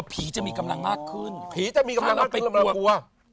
อ๋อผีจะมีกำลังมากขึ้นถ้าเราไปกลัวผีจะมีกำลังมากขึ้นเราต้องกลัว